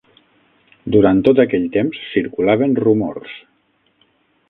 Durant tot aquell temps circulaven rumors